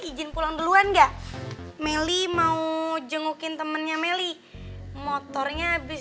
izin pulang duluan gak melih mau jengukin temennya melih motornya habis